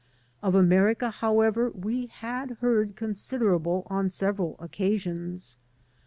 Of Amer ica, however, we had heard considerable on several occasions.